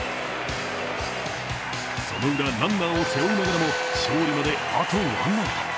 そのウラ、ランナーを背負いながらも勝利まで、あとワンアウト。